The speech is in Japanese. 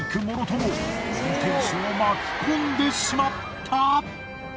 もろとも運転手を巻き込んでしまった。